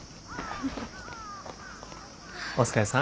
お疲れさん。